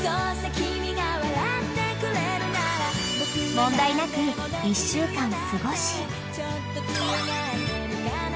［問題なく１週間過ごし］